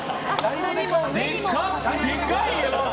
でかいよ！